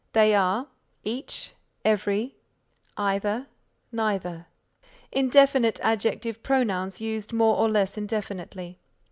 They are each, every, either, neither. Indefinite Adjective Pronouns used more or less indefinitely.